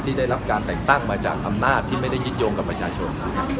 ได้รับการแต่งตั้งมาจากอำนาจที่ไม่ได้ยึดโยงกับประชาชน